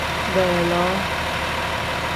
Beeloo.